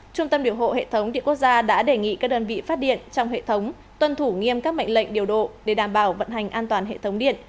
trung tâm điều hộ hệ thống điện quốc gia đã đề nghị các đơn vị phát điện trong hệ thống tuân thủ nghiêm các mệnh lệnh điều độ để đảm bảo vận hành an toàn hệ thống điện